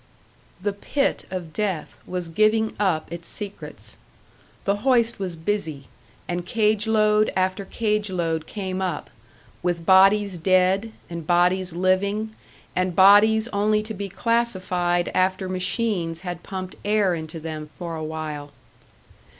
The pit of death was giving up its secrets. The hoist was busy, and cage load after cage load came up, with bodies dead and bodies living and bodies only to be classified after machines had pumped air into them for a while.